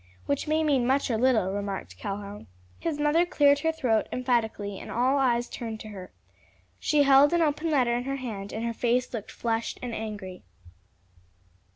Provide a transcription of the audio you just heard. "Which may mean much or little," remarked Conly. His mother cleared her throat emphatically, and all eyes turned to her. She held an open letter in her hand, and her face looked flushed and angry.